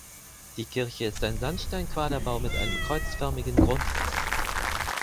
Die Kirche ist ein Sandsteinquaderbau mit einem kreuzförmigen Grundriss.